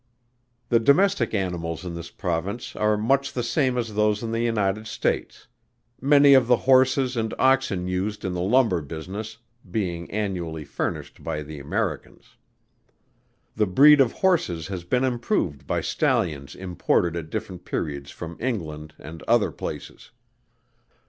The domestic animals in this Province are much the same as those in the United States; many of the horses and oxen used in the lumber business, being annually furnished by the Americans. The breed of horses has been improved by stallions imported at different periods from England and other places.